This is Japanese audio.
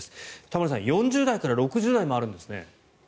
田村さん、４０代から６０代もあるんですね。